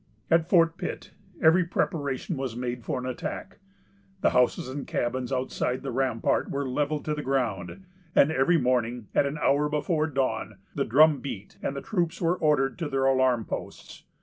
At Fort Pitt every preparation was made for an attack. The houses and cabins outside the rampart were levelled to the ground, and every morning, at an hour before dawn, the drum beat, and the troops were ordered to their alarm posts.